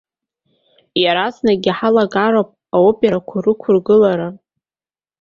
Иаразнакгьы ҳалагароуп аоперақәа рықәыргылара.